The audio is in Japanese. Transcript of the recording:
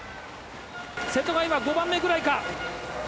瀬戸が今、５番目ぐらいか。